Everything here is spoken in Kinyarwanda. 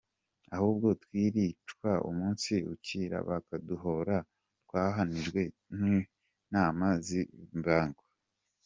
Ahubwo twiricwa umunsi ukira bakuduhōra, Twahwanijwe n’intama z’imbagwa.